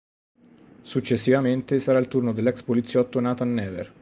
Successivamente sarà il turno dell'ex poliziotto Nathan Never.